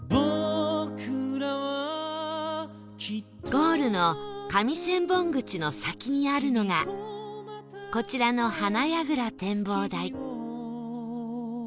ゴールの上千本口の先にあるのがこちらの花矢倉展望台